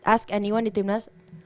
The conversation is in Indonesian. ask anyone di timnas